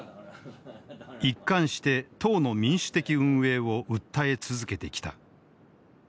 一貫して党の民主的運営を訴え続けてきた。